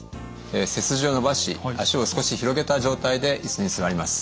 背筋を伸ばし足を少し広げた状態でいすに座ります。